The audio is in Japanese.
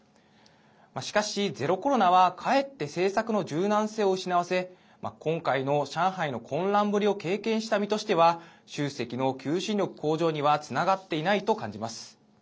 しかし、ゼロコロナはかえって政策の柔軟性を失わせ今回の上海の混乱ぶりを経験した身としては習主席の求心力向上にはつながっていないと感じます。